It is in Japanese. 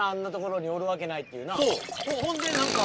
ほんで何か。